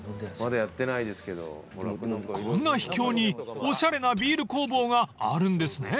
［こんな秘境におしゃれなビール工房があるんですね］